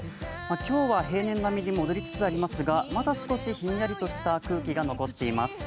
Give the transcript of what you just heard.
今日は平年並みに戻りつつありますが、まだ少しひんやりとした空気が残っています。